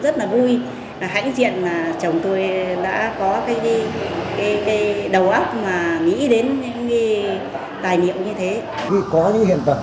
tôi cũng rất là vui hãnh diện là chồng tôi đã có cái đầu óc